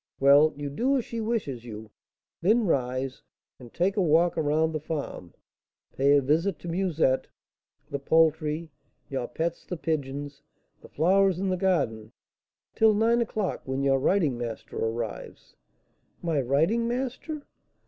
Well, you do as she wishes you; then rise, and take a walk around the farm; pay a visit to Musette, the poultry, your pets the pigeons, the flowers in the garden, till nine o'clock, when your writing master arrives " "My writing master?"